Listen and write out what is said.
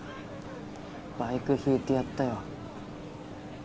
バイクひいてやったよ。